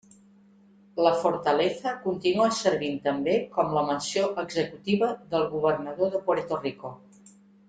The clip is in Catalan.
La Fortaleza continua servint també com la mansió executiva del Governador de Puerto Rico.